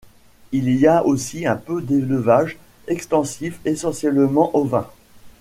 Il y a aussi un peu d'élevage extensif essentiellement ovin.